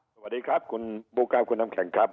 สวัสดีครับคุณบู๊กราฟคุณอำแข็งครับ